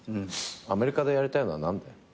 アメリカでやりたいのは何だよ。